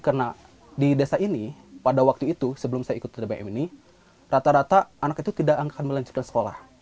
karena di desa ini pada waktu itu sebelum saya ikut tbm ini rata rata anak itu tidak akan melanjutkan sekolah